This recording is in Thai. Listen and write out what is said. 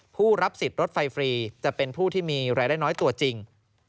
ผู้รับสิทธิ์รถไฟฟรีจะเป็นผู้ที่มีรายได้น้อยตัวจริง